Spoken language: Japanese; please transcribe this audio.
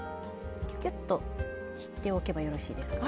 キュキュッとしておけばよろしいですか？